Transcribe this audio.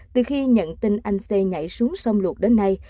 từ khi nhận tin anh xê nhảy xuống sông luộc đến nay